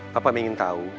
papa ingin tahu